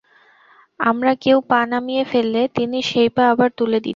আমরা কেউ পা নামিয়ে ফেললে তিনি সেই পা আবার তুলে দিতেন।